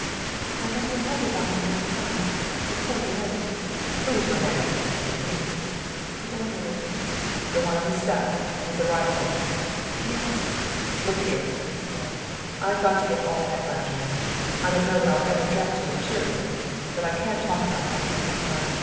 "I'd like to tell you about my little house. And poor René " "Who was René?" he demanded. "The orderly." "The one on the step, with a rifle?" "Yes." "Look here," he said. "I've got to get to all that gradually. I don't know that I'll ever get to it cheerfully. But I can't talk about that place to night.